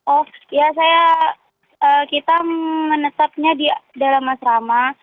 oh ya saya kita menetapnya di dalam asrama